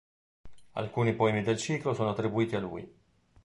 Alcuni poemi del ciclo sono attribuiti a lui.